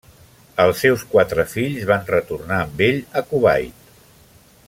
Els seus quatre fills van retornar amb ell a Kuwait.